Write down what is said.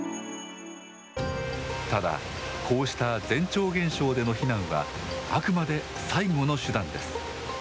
ただ、こうした前兆現象での避難はあくまで最後の手段です。